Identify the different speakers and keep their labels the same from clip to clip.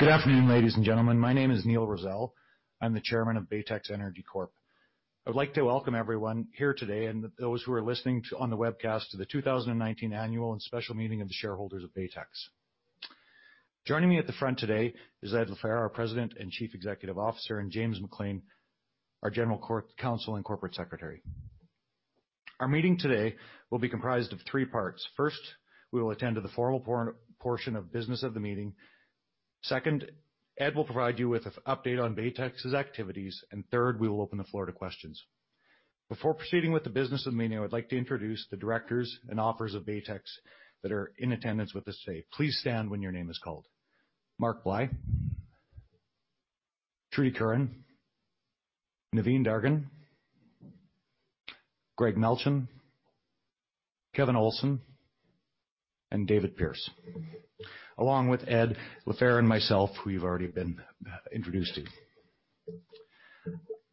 Speaker 1: Good afternoon, ladies and gentlemen. My name is Neil Roszell. I'm the chairman of Baytex Energy Corp. I would like to welcome everyone here today and those who are listening on the webcast to the two thousand and nineteen Annual and Special Meeting of the Shareholders of Baytex. Joining me at the front today is Ed LaFehr, our President and Chief Executive Officer, and James MacLean, our General Counsel and Corporate Secretary. Our meeting today will be comprised of three parts. First, we will attend to the formal portion of business of the meeting. Second, Ed will provide you with an update on Baytex's activities, and third, we will open the floor to questions. Before proceeding with the business of the meeting, I would like to introduce the directors and officers of Baytex that are in attendance with us today. Please stand when your name is called.
Speaker 2: Mark Bly, Trudy Curran, Naveen Dargan, Greg Melchin, Kevin Olson, and David Pearce, along with Ed LaFehr and myself, who you've already been introduced to.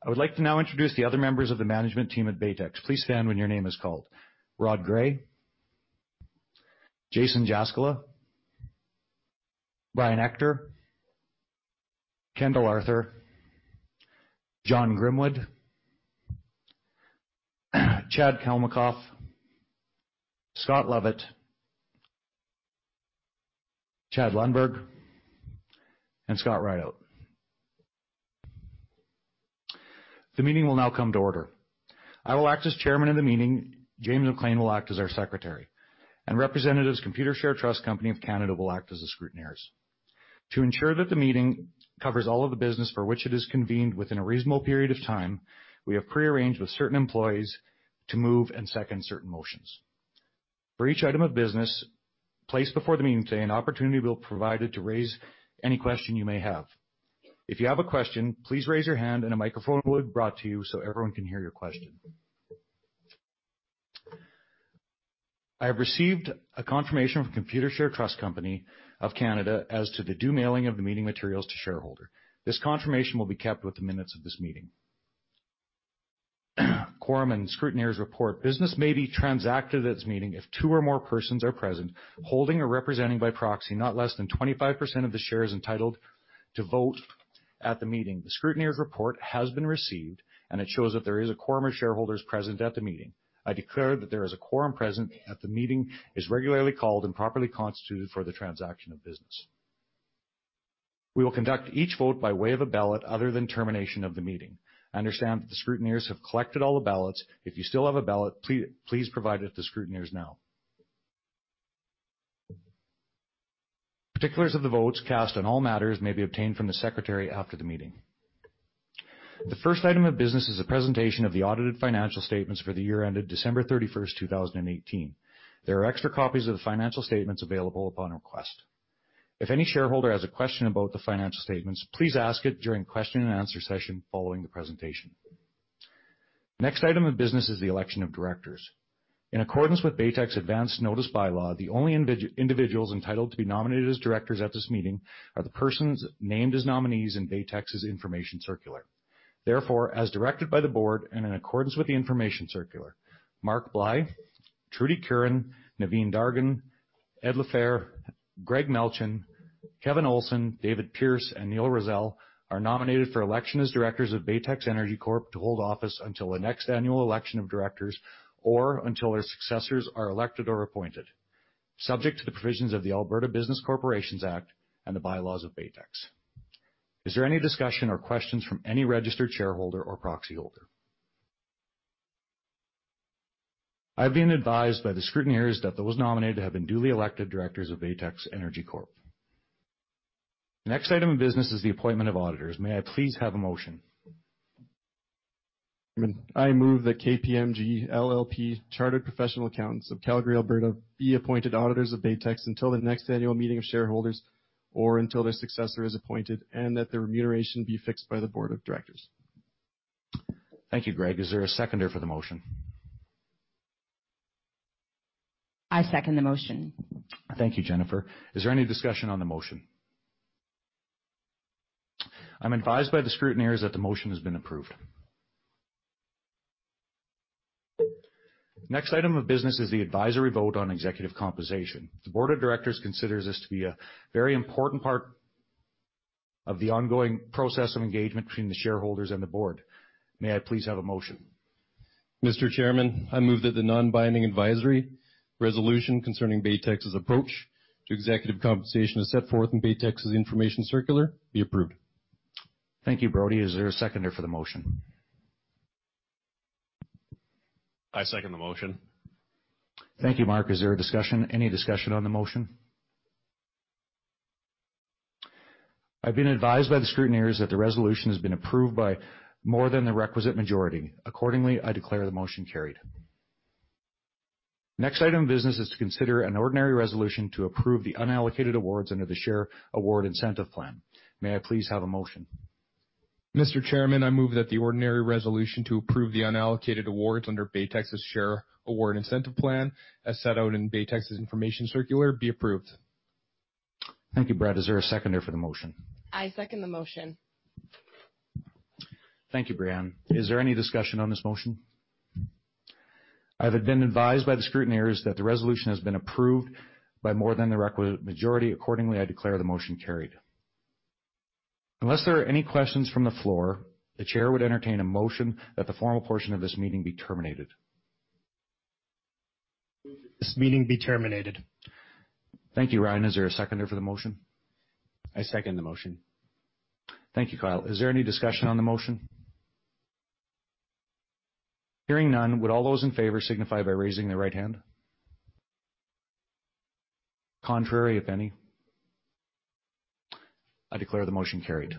Speaker 2: I would like to now introduce the other members of the management team at Baytex. Please stand when your name is called. Rod Gray, Jason Jaskula, Brian Ector, Kendall Arthur, John Grimwood, Chad Kalmykov, Scott Lovett, Chad Lundberg, and Scott Rideout. The meeting will now come to order. I will act as chairman of the meeting. James MacLean will act as our secretary, and representatives of Computershare Trust Company of Canada will act as the scrutineers. To ensure that the meeting covers all of the business for which it is convened within a reasonable period of time, we have prearranged with certain employees to move and second certain motions. For each item of business placed before the meeting today, an opportunity will be provided to raise any question you may have. If you have a question, please raise your hand and a microphone will be brought to you so everyone can hear your question. I have received a confirmation from Computershare Trust Company of Canada as to the due mailing of the meeting materials to shareholders. This confirmation will be kept with the minutes of this meeting. Quorum and scrutineers report. Business may be transacted at this meeting if two or more persons are present, holding or representing by proxy, not less than 25% of the shares entitled to vote at the meeting. The scrutineers' report has been received, and it shows that there is a quorum of shareholders present at the meeting. I declare that there is a quorum present at the meeting, is regularly called and properly constituted for the transaction of business. We will conduct each vote by way of a ballot other than termination of the meeting. I understand that the scrutineers have collected all the ballots. If you still have a ballot, please provide it to the scrutineers now. Particulars of the votes cast on all matters may be obtained from the secretary after the meeting. The first item of business is a presentation of the audited financial statements for the year ended December thirty-first, two thousand and eighteen. There are extra copies of the financial statements available upon request. If any shareholder has a question about the financial statements, please ask it during question and answer session following the presentation. Next item of business is the election of directors. In accordance with Baytex's advanced notice bylaw, the only individuals entitled to be nominated as directors at this meeting are the persons named as nominees in Baytex's information circular. Therefore, as directed by the board and in accordance with the information circular, Mark Bly, Trudy Curran, Naveen Dargan, Ed LaFehr, Greg Melchin, Kevin Olson, David Pearce, and Neil Roszell are nominated for election as directors of Baytex Energy Corp to hold office until the next annual election of directors or until their successors are elected or appointed, subject to the provisions of the Alberta Business Corporations Act and the bylaws of Baytex. Is there any discussion or questions from any registered shareholder or proxyholder? I've been advised by the scrutineers that those nominated have been duly elected directors of Baytex Energy Corp. The next item of business is the appointment of auditors. May I please have a motion?
Speaker 3: I move that KPMG LLP, Chartered Professional Accountants of Calgary, Alberta, be appointed auditors of Baytex until the next annual meeting of shareholders, or until their successor is appointed, and that their remuneration be fixed by the board of directors.
Speaker 1: Thank you, Greg. Is there a seconder for the motion?
Speaker 4: I second the motion.
Speaker 1: Thank you, Jennifer. Is there any discussion on the motion? I'm advised by the scrutineers that the motion has been approved. Next item of business is the advisory vote on executive compensation. The board of directors considers this to be a very important part of the ongoing process of engagement between the shareholders and the board. May I please have a motion?
Speaker 4: Mr. Chairman, I move that the non-binding advisory resolution concerning Baytex's approach to executive compensation, as set forth in Baytex's information circular, be approved.
Speaker 1: Thank you, Brody. Is there a seconder for the motion?
Speaker 5: I second the motion.
Speaker 1: Thank you, Mark. Is there a discussion? Any discussion on the motion? I've been advised by the scrutineers that the resolution has been approved by more than the requisite majority. Accordingly, I declare the motion carried. Next item of business is to consider an ordinary resolution to approve the unallocated awards under the Share Award Incentive Plan. May I please have a motion?
Speaker 4: Mr. Chairman, I move that the ordinary resolution to approve the unallocated awards under Baytex's Share Award Incentive Plan, as set out in Baytex's information circular, be approved.
Speaker 1: Thank you, Brad. Is there a seconder for the motion?
Speaker 4: I second the motion.
Speaker 1: Thank you, Brianne. Is there any discussion on this motion? I have been advised by the scrutineers that the resolution has been approved by more than the requisite majority. Accordingly, I declare the motion carried. Unless there are any questions from the floor, the chair would entertain a motion that the formal portion of this meeting be terminated.
Speaker 4: This meeting be terminated.
Speaker 1: Thank you, Ryan. Is there a seconder for the motion?
Speaker 4: I second the motion.
Speaker 1: Thank you, Kyle. Is there any discussion on the motion? Hearing none, would all those in favor signify by raising their right hand? Contrary, if any? I declare the motion carried.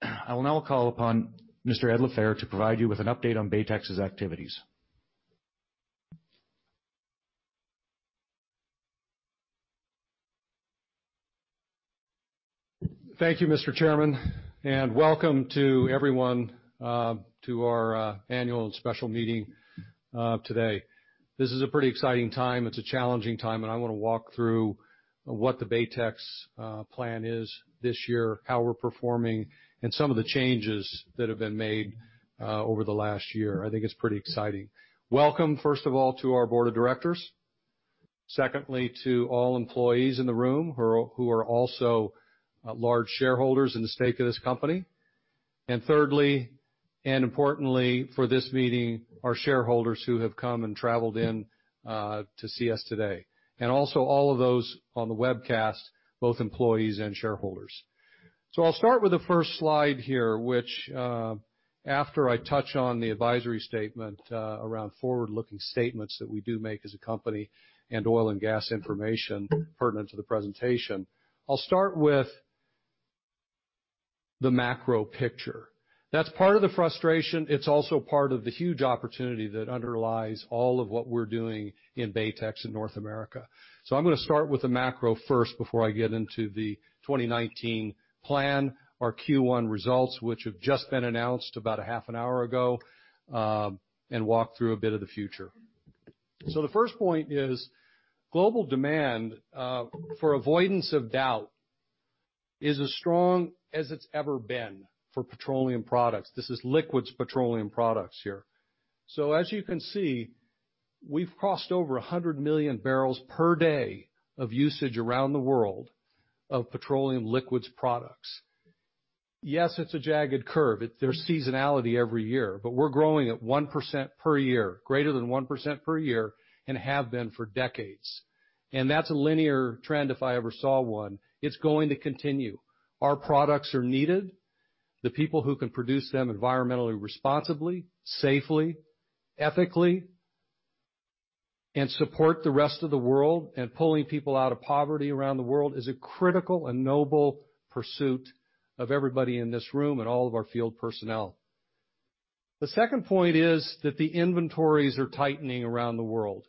Speaker 1: I will now call upon Mr. Ed LaFehr to provide you with an update on Baytex's activities.
Speaker 2: Thank you, Mr. Chairman, and welcome to everyone to our annual and special meeting today. This is a pretty exciting time. It's a challenging time, and I wanna walk through what the Baytex plan is this year, how we're performing, and some of the changes that have been made over the last year. I think it's pretty exciting. Welcome, first of all, to our board of directors. Secondly, to all employees in the room who are also large shareholders in the stake of this company. And thirdly, and importantly for this meeting, our shareholders who have come and traveled in to see us today, and also all of those on the webcast, both employees and shareholders. So I'll start with the first slide here, which, after I touch on the advisory statement around forward-looking statements that we do make as a company, and oil and gas information pertinent to the presentation, I'll start with the macro picture. That's part of the frustration. It's also part of the huge opportunity that underlies all of what we're doing in Baytex in North America. So I'm gonna start with the macro first before I get into the 2019 plan, our Q1 results, which have just been announced about a half an hour ago, and walk through a bit of the future. So the first point is, global demand, for avoidance of doubt, is as strong as it's ever been for petroleum products. This is liquids petroleum products here. So as you can see, we've crossed over 100 million barrels per day of usage around the world of liquid petroleum products. Yes, it's a jagged curve. There's seasonality every year, but we're growing at 1% per year, greater than 1% per year, and have been for decades. And that's a linear trend if I ever saw one. It's going to continue. Our products are needed. The people who can produce them environmentally, responsibly, safely, ethically, and support the rest of the world, and pulling people out of poverty around the world, is a critical and noble pursuit of everybody in this room and all of our field personnel. The second point is that the inventories are tightening around the world.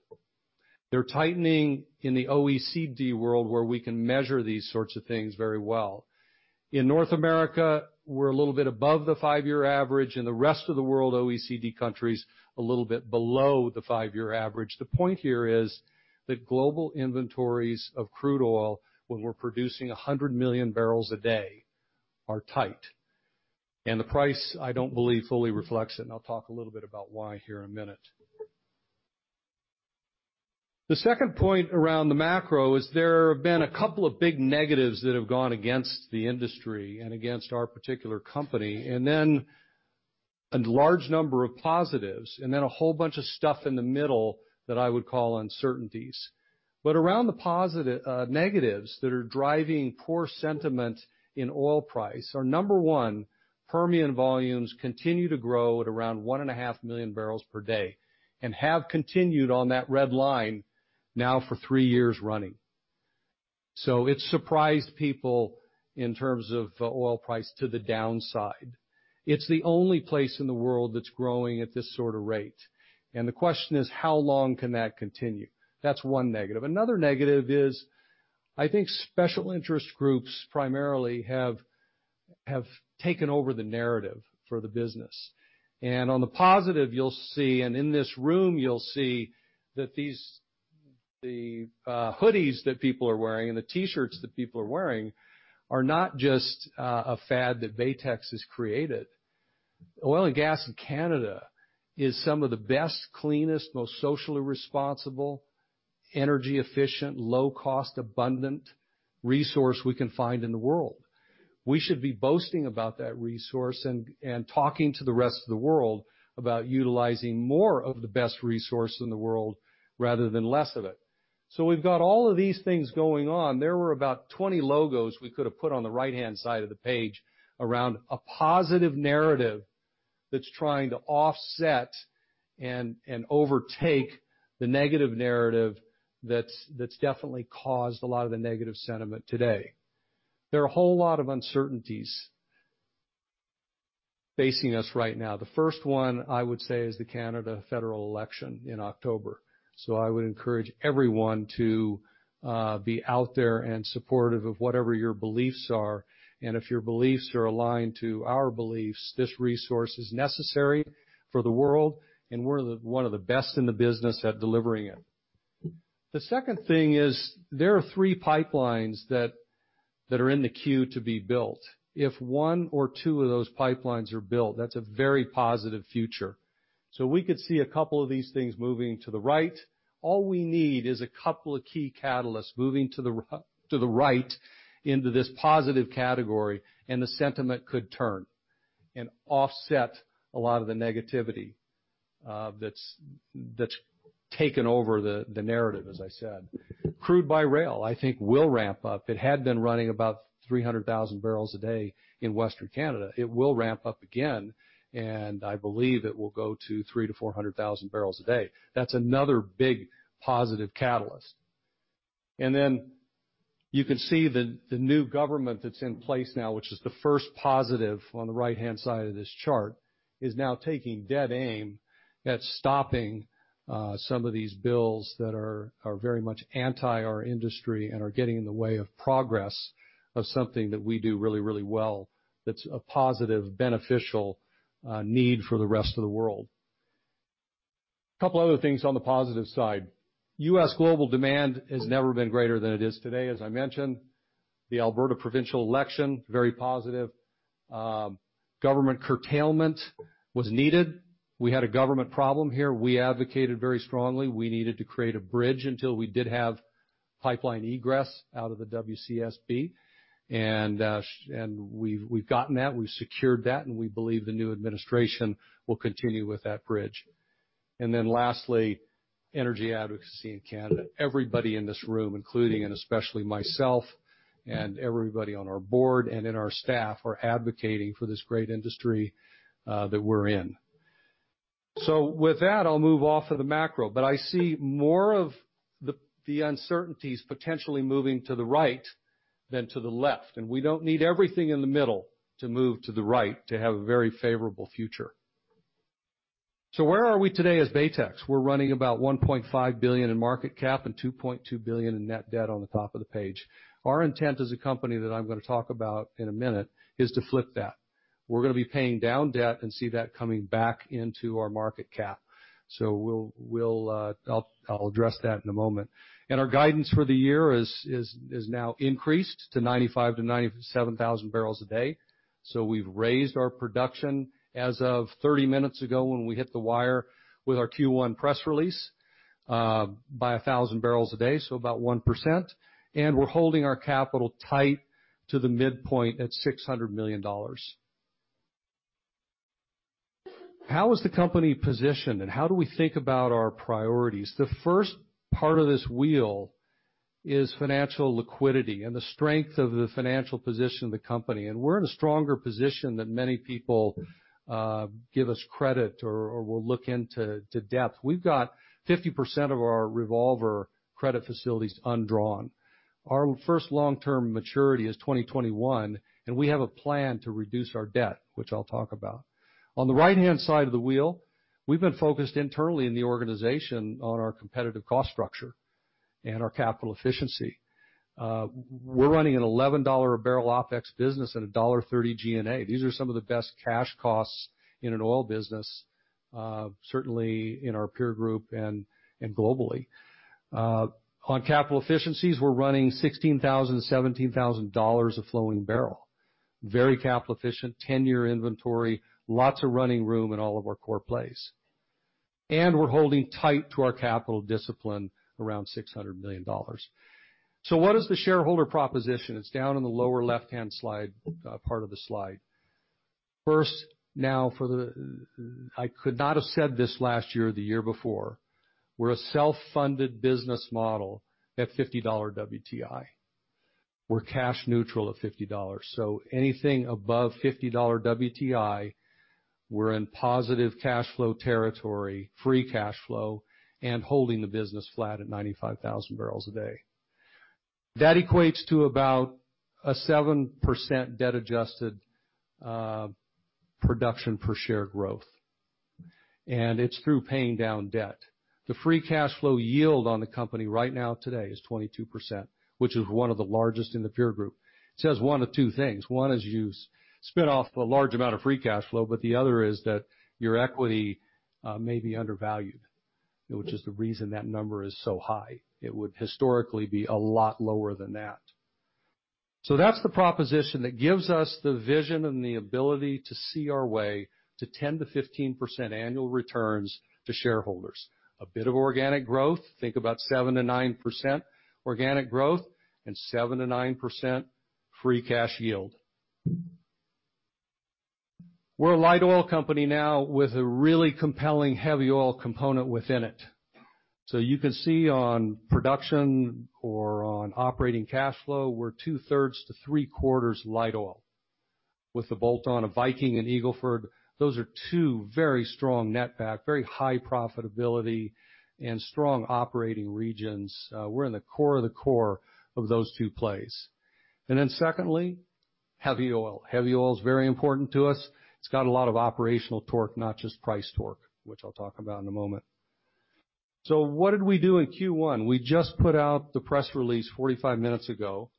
Speaker 2: They're tightening in the OECD world, where we can measure these sorts of things very well. In North America, we're a little bit above the five-year average, in the rest of the world, OECD countries, a little bit below the five-year average. The point here is that global inventories of crude oil, when we're producing 100 million barrels a day, are tight, and the price, I don't believe, fully reflects it, and I'll talk a little bit about why here in a minute. The second point around the macro is there have been a couple of big negatives that have gone against the industry and against our particular company, and then a large number of positives, and then a whole bunch of stuff in the middle that I would call uncertainties. But around the positive-- negatives that are driving poor sentiment in oil price are, number one, Permian volumes continue to grow at around one and a half million barrels per day and have continued on that red line now for three years running. So it's surprised people in terms of oil price to the downside. It's the only place in the world that's growing at this sort of rate. And the question is: How long can that continue? That's one negative. Another negative is, I think special interest groups primarily have taken over the narrative for the business. And on the positive, you'll see, and in this room, you'll see, that these -- the hoodies that people are wearing and the T-shirts that people are wearing are not just a fad that Baytex has created. Oil and gas in Canada is some of the best, cleanest, most socially responsible, energy efficient, low cost, abundant resource we can find in the world. We should be boasting about that resource and talking to the rest of the world about utilizing more of the best resource in the world rather than less of it. So we've got all of these things going on. There were about 20 logos we could have put on the right-hand side of the page around a positive narrative that's trying to offset and overtake the negative narrative that's definitely caused a lot of the negative sentiment today. There are a whole lot of uncertainties facing us right now. The first one, I would say, is the Canadian federal election in October. So I would encourage everyone to be out there and supportive of whatever your beliefs are. If your beliefs are aligned to our beliefs, this resource is necessary for the world, and we're one of the best in the business at delivering it... The second thing is, there are three pipelines that are in the queue to be built. If one or two of those pipelines are built, that's a very positive future. So we could see a couple of these things moving to the right. All we need is a couple of key catalysts moving to the right into this positive category, and the sentiment could turn and offset a lot of the negativity that's taken over the narrative, as I said. Crude by rail, I think, will ramp up. It had been running about 300,000 barrels a day in Western Canada. It will ramp up again, and I believe it will go to 300-400 thousand barrels a day. That's another big positive catalyst, and then you can see the new government that's in place now, which is the first positive on the right-hand side of this chart, is now taking dead aim at stopping some of these bills that are very much anti our industry and are getting in the way of progress of something that we do really, really well. That's a positive, beneficial need for the rest of the world. A couple other things on the positive side. U.S. global demand has never been greater than it is today, as I mentioned. The Alberta provincial election, very positive. Government curtailment was needed. We had a government problem here. We advocated very strongly. We needed to create a bridge until we did have pipeline egress out of the WCSB. And we've gotten that, we've secured that, and we believe the new administration will continue with that bridge. And then lastly, energy advocacy in Canada. Everybody in this room, including and especially myself and everybody on our board and in our staff, are advocating for this great industry that we're in. So with that, I'll move off of the macro, but I see more of the uncertainties potentially moving to the right than to the left, and we don't need everything in the middle to move to the right to have a very favorable future. So where are we today as Baytex? We're running about 1.5 billion in market cap and 2.2 billion in net debt on the top of the page. Our intent as a company that I'm gonna talk about in a minute is to flip that. We're gonna be paying down debt and see that coming back into our market cap. So we'll, I'll address that in a moment, and our guidance for the year is now increased to 95-97 thousand barrels a day. So we've raised our production as of 30 minutes ago, when we hit the wire with our Q1 press release, by 1,000 barrels a day, so about 1%, and we're holding our capital tight to the midpoint at 600 million dollars. How is the company positioned, and how do we think about our priorities? The first part of this wheel is financial liquidity and the strength of the financial position of the company. We're in a stronger position than many people give us credit or will look into in depth. We've got 50% of our revolver credit facilities undrawn. Our first long-term maturity is 2021, and we have a plan to reduce our debt, which I'll talk about. On the right-hand side of the wheel, we've been focused internally in the organization on our competitive cost structure and our capital efficiency. We're running an $11-a-barrel OpEx business and a $1.30 G&A. These are some of the best cash costs in an oil business, certainly in our peer group and globally. On capital efficiencies, we're running 16,000-17,000 dollars a flowing barrel. Very capital efficient, 10-year inventory, lots of running room in all of our core plays. We're holding tight to our capital discipline around 600 million dollars. What is the shareholder proposition? It's down in the lower left-hand slide, part of the slide. First. Now for the. I could not have said this last year or the year before. We're a self-funded business model at $50 WTI. We're cash neutral at $50. Anything above $50 WTI, we're in positive cash flow territory, free cash flow, and holding the business flat at 95,000 barrels a day. That equates to about a 7% debt-adjusted production per share growth, and it's through paying down debt. The free cash flow yield on the company right now today is 22%, which is one of the largest in the peer group. It says one of two things. One is you spin off a large amount of free cash flow, but the other is that your equity may be undervalued, which is the reason that number is so high. It would historically be a lot lower than that. So that's the proposition that gives us the vision and the ability to see our way to 10%-15% annual returns to shareholders. A bit of organic growth, think about 7%-9% organic growth and 7%-9% free cash yield. We're a light oil company now with a really compelling heavy oil component within it. So you can see on production or on operating cash flow, we're two-thirds to three-quarters light oil. With the bolt-on of Viking and Eagle Ford, those are two very strong netback, very high profitability and strong operating regions. We're in the core of the core of those two plays. And then secondly, heavy oil. Heavy oil is very important to us. It's got a lot of operational torque, not just price torque, which I'll talk about in a moment. So what did we do in Q1? We just put out the press release 45 minutes ago.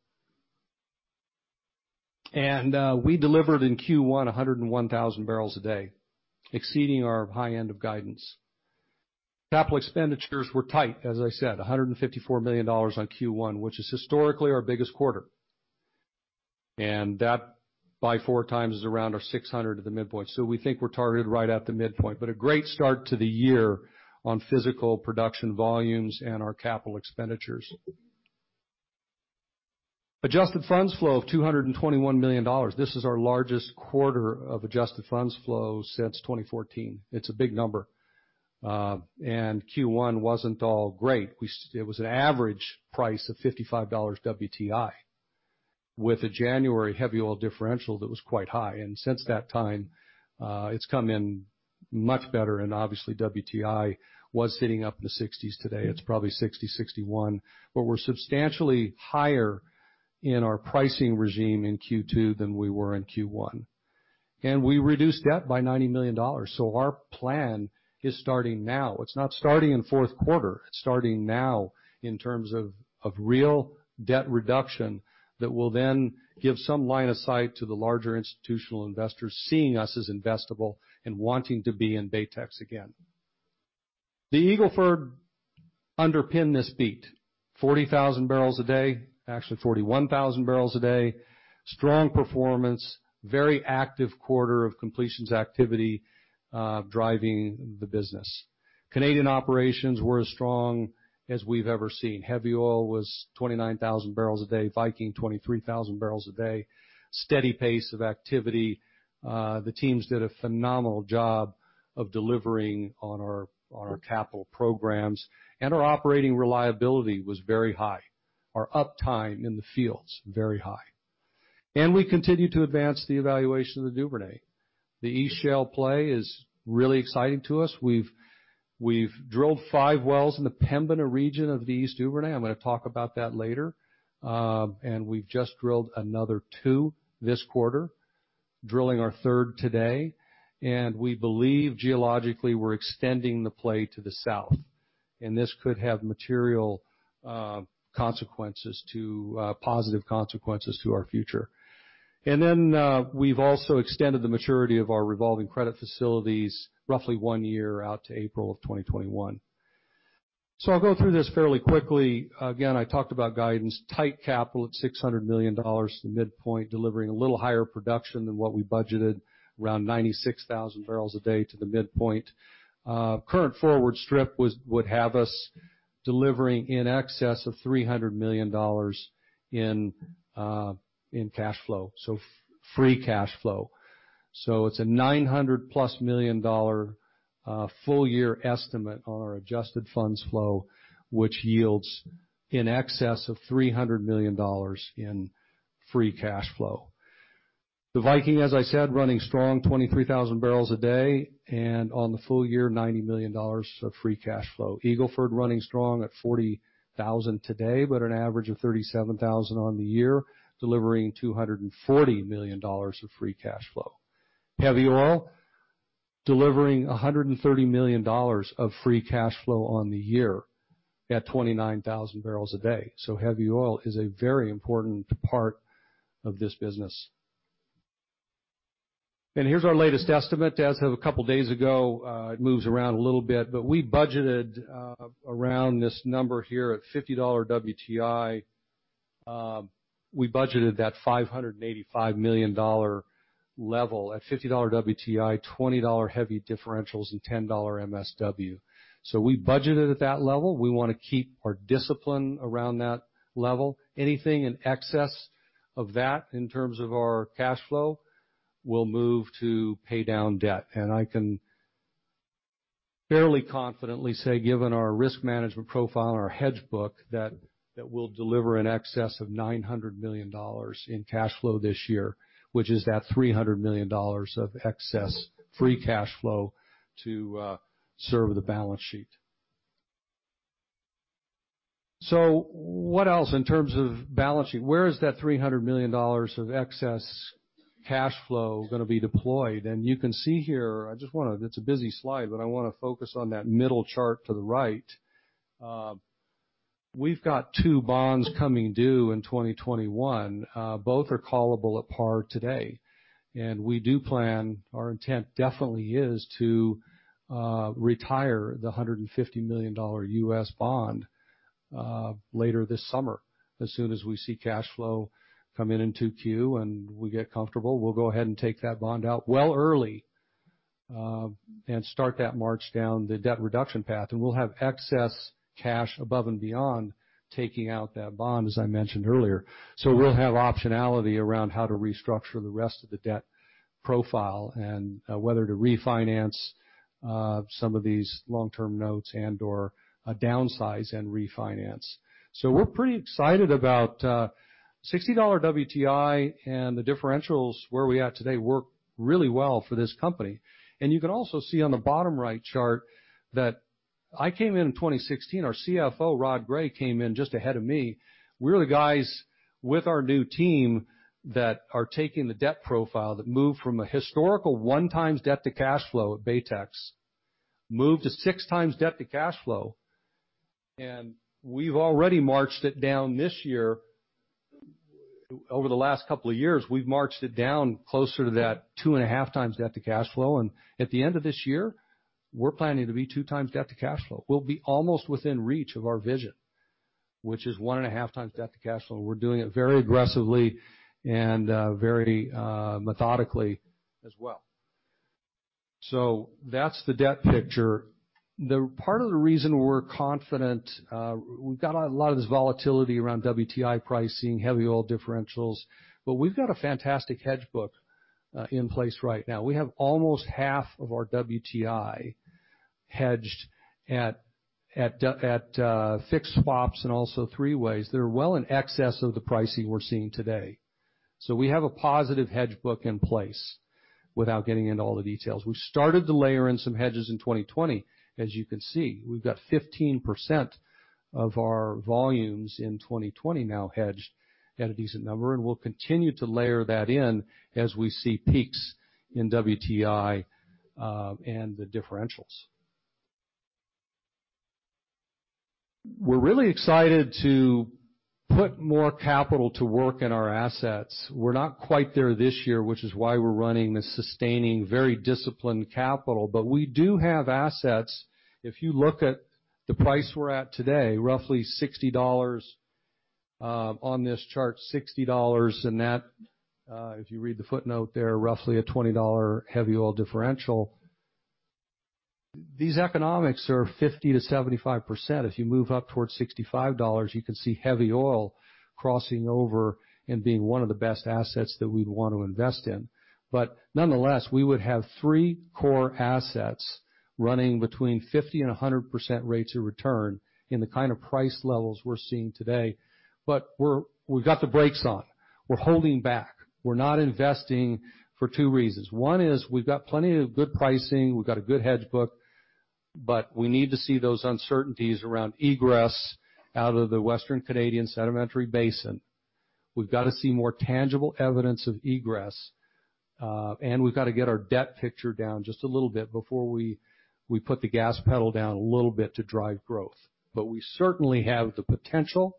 Speaker 2: And we delivered in Q1, 101,000 barrels a day, exceeding our high end of guidance. Capital expenditures were tight, as I said, 154 million dollars on Q1, which is historically our biggest quarter. And that, by four times, is around our 600 at the midpoint. So we think we're targeted right at the midpoint, but a great start to the year on physical production volumes and our capital expenditures. Adjusted funds flow of 221 million dollars. This is our largest quarter of adjusted funds flow since 2014. It's a big number. And Q1 wasn't all great. It was an average price of $55 WTI, with a January heavy oil differential that was quite high. Since that time, it's come in much better, and obviously, WTI was sitting up in the 60s. Today, it's probably 60, 61. But we're substantially higher in our pricing regime in Q2 than we were in Q1. And we reduced debt by $90 million. So our plan is starting now. It's not starting in fourth quarter, it's starting now in terms of real debt reduction, that will then give some line of sight to the larger institutional investors, seeing us as investable and wanting to be in Baytex again. The Eagle Ford underpinned this beat. Forty thousand barrels a day, actually forty-one thousand barrels a day, strong performance, very active quarter of completions activity, driving the business. Canadian operations were as strong as we've ever seen. Heavy oil was twenty-nine thousand barrels a day, Viking, twenty-three thousand barrels a day, steady pace of activity. The teams did a phenomenal job of delivering on our capital programs, and our operating reliability was very high. Our uptime in the fields, very high. And we continue to advance the evaluation of the Duvernay. The East Shale play is really exciting to us. We've drilled five wells in the Pembina region of the East Duvernay. I'm gonna talk about that later. And we've just drilled another two this quarter, drilling our third today, and we believe, geologically, we're extending the play to the south, and this could have material consequences to... Positive consequences to our future, and then we've also extended the maturity of our revolving credit facilities, roughly one year out to April 2021. So I'll go through this fairly quickly. Again, I talked about guidance, tight capital at 600 million dollars to the midpoint, delivering a little higher production than what we budgeted, around 96,000 barrels a day to the midpoint. Current forward strip would have us delivering in excess of 300 million dollars in cash flow, so free cash flow. So it's a 900-plus million dollar full-year estimate on our adjusted funds flow, which yields in excess of 300 million dollars in free cash flow. The Viking, as I said, running strong, 23,000 barrels a day, and on the full year, 90 million dollars of free cash flow. Eagle Ford, running strong at 40,000 today, but an average of 37,000 on the year, delivering $240 million of free cash flow. Heavy oil, delivering $130 million of free cash flow on the year at 29,000 barrels a day. So heavy oil is a very important part of this business. And here's our latest estimate. As of a couple days ago, it moves around a little bit, but we budgeted around this number here, at $50 WTI. We budgeted that $585 million level at $50 WTI, $20 heavy differentials, and $10 MSW. So we budgeted at that level. We wanna keep our discipline around that level. Anything in excess of that, in terms of our cash flow, will move to pay down debt. I can fairly confidently say, given our risk management profile and our hedge book, that we'll deliver in excess of 900 million dollars in cash flow this year, which is that 300 million dollars of excess free cash flow to serve the balance sheet. So what else, in terms of balance sheet? Where is that 300 million dollars of excess cash flow gonna be deployed? And you can see here, I just wanna, it's a busy slide, but I wanna focus on that middle chart to the right. We've got two bonds coming due in 2021. Both are callable at par today, and we do plan. Our intent definitely is to retire the $150 million U.S. bond later this summer. As soon as we see cash flow come in in 2Q, and we get comfortable, we'll go ahead and take that bond out well early, and start that march down the debt reduction path. We'll have excess cash above and beyond taking out that bond, as I mentioned earlier. We'll have optionality around how to restructure the rest of the debt profile and whether to refinance some of these long-term notes and/or downsize and refinance. We're pretty excited about $60 WTI, and the differentials where we're at today work really well for this company. You can also see on the bottom right chart that I came in in 2016. Our CFO, Rod Gray, came in just ahead of me. We're the guys with our new team that are taking the debt profile, that moved from a historical one times debt to cash flow at Baytex, moved to six times debt to cash flow. And we've already marched it down this year. Over the last couple of years, we've marched it down closer to that two and a half times debt to cash flow, and at the end of this year, we're planning to be two times debt to cash flow. We'll be almost within reach of our vision, which is one and a half times debt to cash flow. We're doing it very aggressively and very methodically as well. So that's the debt picture. The part of the reason we're confident we've got a lot of this volatility around WTI pricing, heavy oil differentials, but we've got a fantastic hedge book in place right now. We have almost half of our WTI hedged at fixed swaps and also three ways. They're well in excess of the pricing we're seeing today. So we have a positive hedge book in place, without getting into all the details. We started to layer in some hedges in 2020. As you can see, we've got 15% of our volumes in 2020 now hedged at a decent number, and we'll continue to layer that in as we see peaks in WTI and the differentials. We're really excited to put more capital to work in our assets. We're not quite there this year, which is why we're running a sustaining, very disciplined capital, but we do have assets. If you look at the price we're at today, roughly $60, on this chart, $60, and that, if you read the footnote there, roughly a $20 heavy oil differential. These economics are 50%-75%. If you move up towards $65, you can see heavy oil crossing over and being one of the best assets that we'd want to invest in. But nonetheless, we would have three core assets running between 50% and 100% rates of return in the kind of price levels we're seeing today. But we've got the brakes on. We're holding back. We're not investing for two reasons. One is we've got plenty of good pricing, we've got a good hedge book, but we need to see those uncertainties around egress out of the Western Canadian Sedimentary Basin. We've got to see more tangible evidence of egress, and we've got to get our debt picture down just a little bit before we put the gas pedal down a little bit to drive growth. But we certainly have the potential,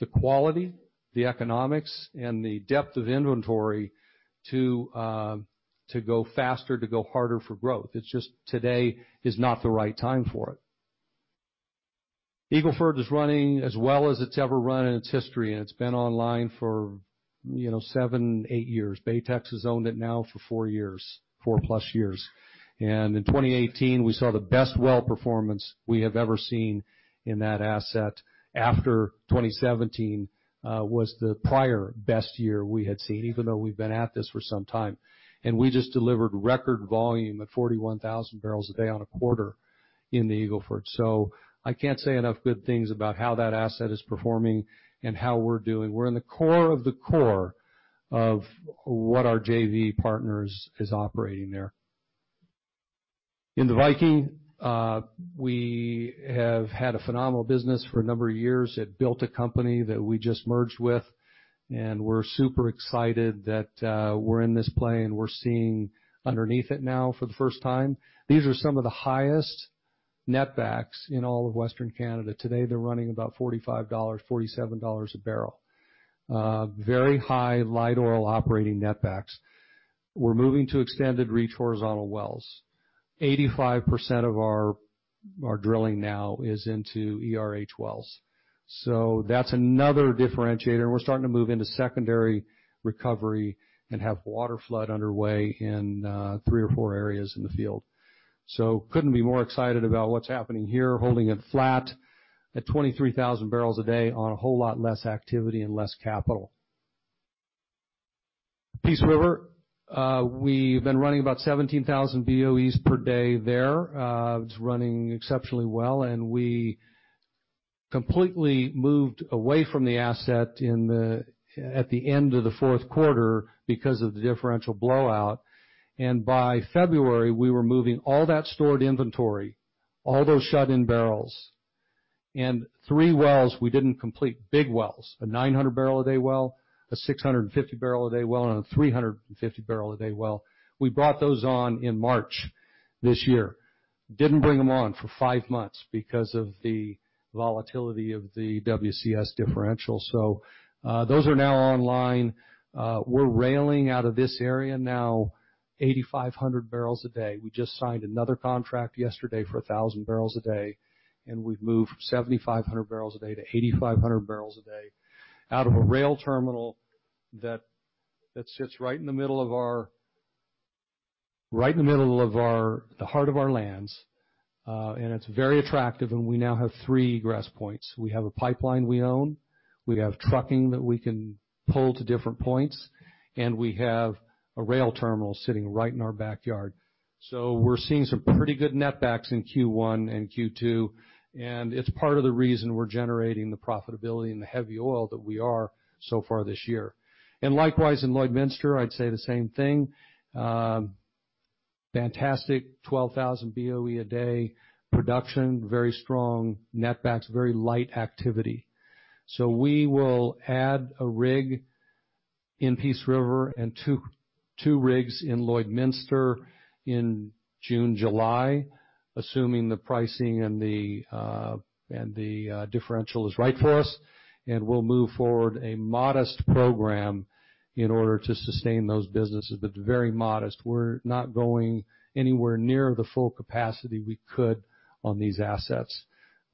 Speaker 2: the quality, the economics, and the depth of inventory to go faster, to go harder for growth. It's just today is not the right time for it. Eagle Ford is running as well as it's ever run in its history, and it's been online for, you know, seven, eight years. Baytex has owned it now for four years, four-plus years. And in 2018, we saw the best well performance we have ever seen in that asset. After 2017 was the prior best year we had seen, even though we've been at this for some time. We just delivered record volume at 41,000 barrels a day on a quarter in the Eagle Ford. I can't say enough good things about how that asset is performing and how we're doing. We're in the core of the core of what our JV partners is operating there. In the Viking, we have had a phenomenal business for a number of years. It built a company that we just merged with, and we're super excited that, we're in this play, and we're seeing underneath it now for the first time. These are some of the highest netbacks in all of Western Canada. Today, they're running about 45-47 dollars a barrel. Very high light oil operating netbacks. We're moving to extended reach horizontal wells. 85% of our drilling now is into ERH wells, so that's another differentiator, and we're starting to move into secondary recovery and have water flood underway in three or four areas in the field. So couldn't be more excited about what's happening here, holding it flat at 23,000 barrels a day on a whole lot less activity and less capital. Peace River, we've been running about 17,000 BOEs per day there. It's running exceptionally well, and we completely moved away from the asset in at the end of the fourth quarter because of the differential blowout. By February, we were moving all that stored inventory, all those shut-in barrels, and three wells we didn't complete, big wells, a 900-barrel-a-day well, a 650-barrel-a-day well, and a 350-barrel-a-day well. We brought those on in March this year. We didn't bring them on for five months because of the volatility of the WCS differential. So, those are now online. We're railing out of this area now, 8,500 barrels a day. We just signed another contract yesterday for 1,000 barrels a day, and we've moved from 7,500 barrels a day to 8,500 barrels a day out of a rail terminal that sits right in the middle of our Right in the middle of our, the heart of our lands, and it's very attractive, and we now have three grass points. We have a pipeline we own, we have trucking that we can pull to different points, and we have a rail terminal sitting right in our backyard. So we're seeing some pretty good netbacks in Q1 and Q2, and it's part of the reason we're generating the profitability and the heavy oil that we are so far this year. And likewise, in Lloydminster, I'd say the same thing. Fantastic, 12,000 BOE a day production, very strong netbacks, very light activity. So we will add a rig, in Peace River and two rigs in Lloydminster in June, July, assuming the pricing and the differential is right for us, and we'll move forward a modest program in order to sustain those businesses, but very modest. We're not going anywhere near the full capacity we could on these assets.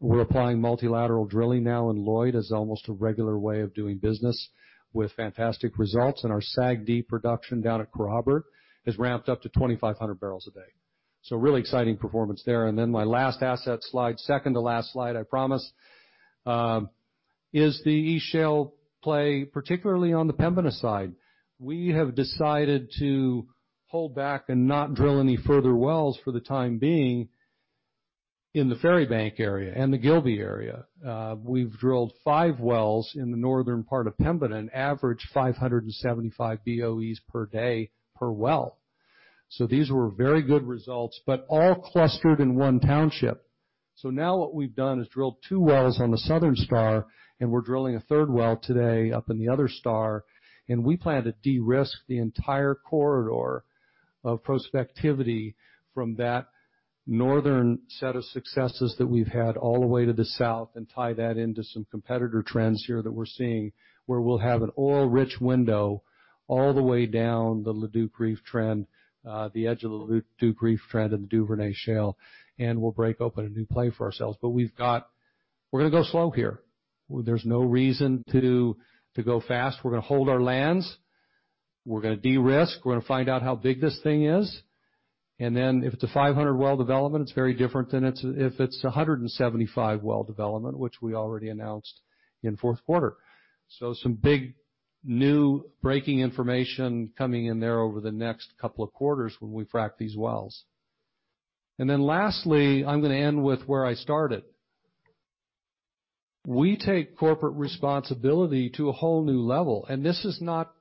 Speaker 2: We're applying multilateral drilling now, and Lloyd is almost a regular way of doing business with fantastic results, and our SAGD production down at Kerrobert has ramped up to 2,500 barrels a day. So really exciting performance there. And then my last asset slide, second to last slide, I promise, is the East Shale play, particularly on the Pembina side. We have decided to hold back and not drill any further wells for the time being in the Ferrybank area and the Gilby area. We've drilled five wells in the northern part of Pembina and averaged five hundred and seventy-five BOEs per day per well. So these were very good results, but all clustered in one township. So now what we've done is drilled two wells on the Southern Star, and we're drilling a third well today up in the other star, and we plan to de-risk the entire corridor of prospectivity from that northern set of successes that we've had all the way to the south, and tie that into some competitor trends here that we're seeing, where we'll have an oil-rich window all the way down the Leduc Reef trend, the edge of the Leduc Reef trend of the Duvernay Shale, and we'll break open a new play for ourselves. But we've got. We're gonna go slow here. There's no reason to go fast. We're gonna hold our lands, we're gonna de-risk, we're gonna find out how big this thing is, and then if it's a five hundred well development, it's very different than if it's a hundred and seventy-five well development, which we already announced in fourth quarter. So some big, new breaking information coming in there over the next couple of quarters when we frack these wells. And then lastly, I'm gonna end with where I started. We take corporate responsibility to a whole new level, and this is not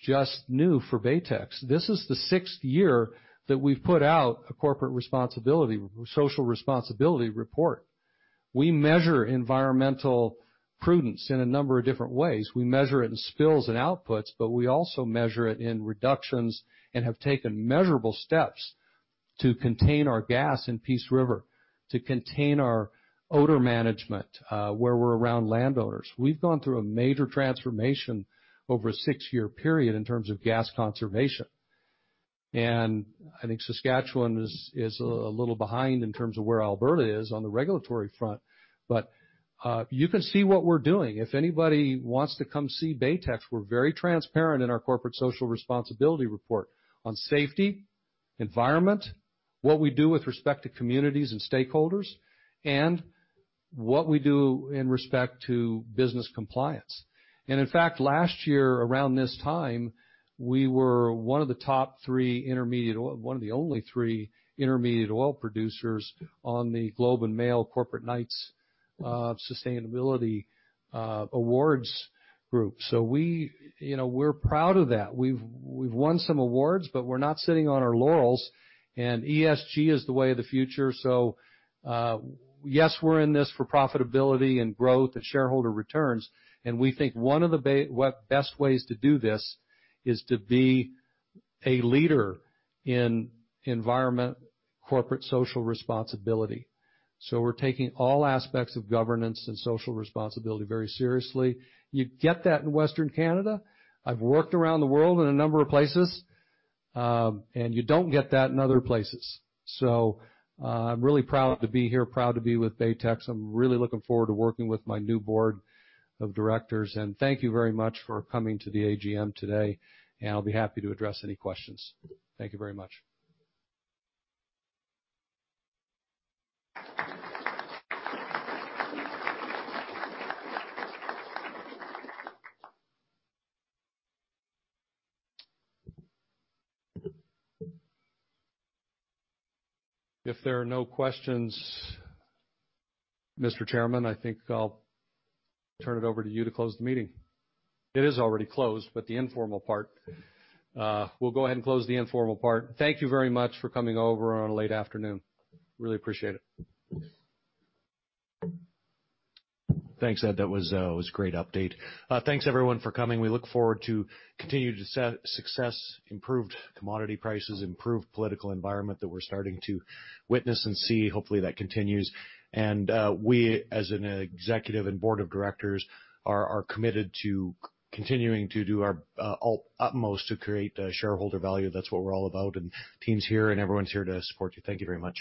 Speaker 2: just new for Baytex. This is the sixth year that we've put out a corporate responsibility, social responsibility report. We measure environmental prudence in a number of different ways. We measure it in spills and outputs, but we also measure it in reductions and have taken measurable steps to contain our gas in Peace River, to contain our odor management, where we're around landowners. We've gone through a major transformation over a six-year period in terms of gas conservation. And I think Saskatchewan is a little behind in terms of where Alberta is on the regulatory front, but you can see what we're doing. If anybody wants to come see Baytex, we're very transparent in our corporate social responsibility report on safety, environment, what we do with respect to communities and stakeholders, and what we do in respect to business compliance. In fact, last year, around this time, we were one of the top three intermediate oil, one of the only three intermediate oil producers on the Globe and Mail Corporate Knights Sustainability Awards group. So we, you know, we're proud of that. We've won some awards, but we're not sitting on our laurels, and ESG is the way of the future. So, yes, we're in this for profitability and growth and shareholder returns, and we think one of the best ways to do this is to be a leader in environment, corporate social responsibility. So we're taking all aspects of governance and social responsibility very seriously. You get that in Western Canada. I've worked around the world in a number of places, and you don't get that in other places. So, I'm really proud to be here, proud to be with Baytex. I'm really looking forward to working with my new board of directors, and thank you very much for coming to the AGM today, and I'll be happy to address any questions. Thank you very much. If there are no questions, Mr. Chairman, I think I'll turn it over to you to close the meeting. It is already closed, but the informal part. We'll go ahead and close the informal part. Thank you very much for coming over on a late afternoon. Really appreciate it.
Speaker 1: Thanks, Ed. That was a great update. Thanks, everyone, for coming. We look forward to continued success, improved commodity prices, improved political environment that we're starting to witness and see. Hopefully, that continues. And we, as an executive and board of directors, are committed to continuing to do our utmost to create shareholder value. That's what we're all about, and teams here, and everyone's here to support you. Thank you very much.